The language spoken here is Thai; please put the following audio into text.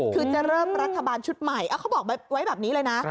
คือจะเริ่มรัฐบาลชุดใหม่เขาบอกไว้แบบนี้เลยนะ